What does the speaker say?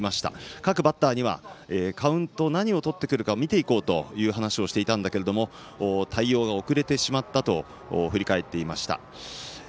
各バッターにはカウント、何をとってくるか見ていこうと話していたんだけども対応が遅れてしまったと振り返っていました。